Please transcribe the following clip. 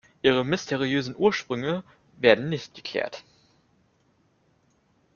Ihre mysteriösen Ursprünge werden nicht geklärt.